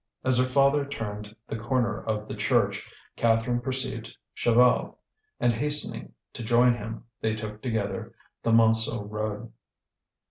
As her father turned the corner of the church, Catherine perceived Chaval, and, hastening to join him, they took together the Montsou road.